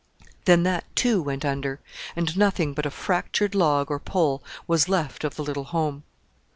Then that, too, went under, and nothing but a fractured log or pole was left of the little home.